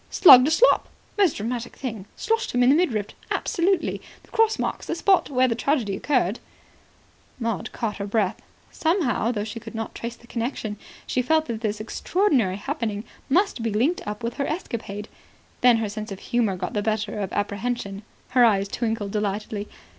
"Slugged a slop. Most dramatic thing. Sloshed him in the midriff. Absolutely. The cross marks the spot where the tragedy occurred." Maud caught her breath. Somehow, though she could not trace the connection, she felt that this extraordinary happening must be linked up with her escapade. Then her sense of humour got the better of apprehension. Her eyes twinkled delightedly.